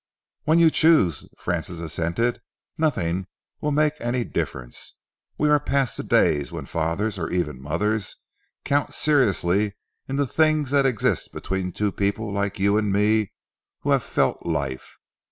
"When you choose," Francis assented. "Nothing will make any difference. We are past the days when fathers or even mothers count seriously in the things that exist between two people like you and me, who have felt life.